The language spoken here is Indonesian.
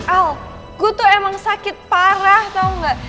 al gue tuh emang sakit parah tau gak